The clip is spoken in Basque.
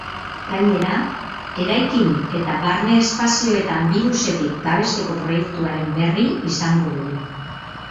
Gainera, eraikin eta barne espazioetan birusetik babesteko proiektuaren berri izango dugu.